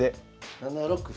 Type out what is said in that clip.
７六歩。